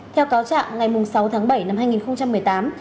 theo cáo trạng ngày sáu tháng bảy năm hai nghìn một mươi tám